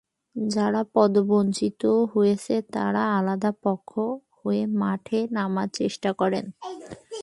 যাঁরা পদবঞ্চিত হয়েছেন, তাঁরা আলাদা পক্ষ হয়ে মাঠে নামার চেষ্টা করেন।